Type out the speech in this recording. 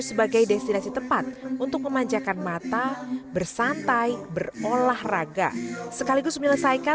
sebagai destinasi tepat untuk memanjakan mata bersantai berolahraga sekaligus menyelesaikan